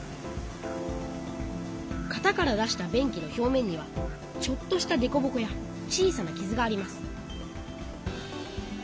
型から出した便器の表面にはちょっとしたでこぼこや小さなきずがあります